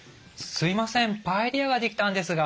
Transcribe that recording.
すいませんパエリアが出来たんですが。